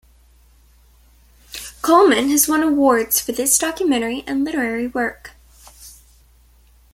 Coleman has won awards for this documentary and literary work.